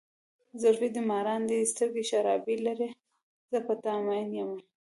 زلفې دې مارانو دي، سترګې شرابي لارې، زه په ته ماين یمه.